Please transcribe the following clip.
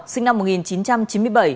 sinh năm một nghìn chín trăm chín mươi bảy